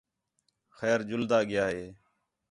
خیر ڄُلدا ڳِیا ہِے